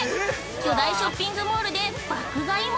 巨大ショッピングモールで爆買いも。